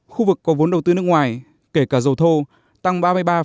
khu vực có vốn đầu tư nước ngoài kể cả dầu thô tăng ba mươi ba